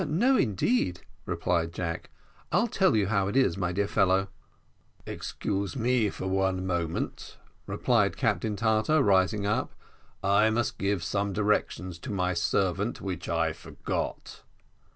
"No, indeed," replied Jack; "I'll tell you how it is, my dear fellow." "Excuse me for one moment," replied Captain Tartar, rising up; "I must give some directions to my servant which I forgot."